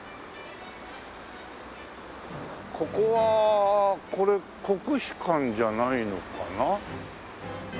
ここはこれ国士舘じゃないのかな？